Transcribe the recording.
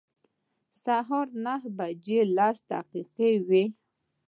سهار نهه بجې لس دقیقې وې.